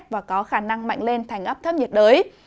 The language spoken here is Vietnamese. gió khả năng mạnh lên thành áp thấp nhiệt đới